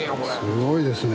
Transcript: ・すごいですね。